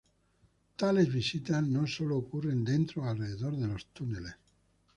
Tales visitas no sólo ocurren dentro o alrededor de los túneles.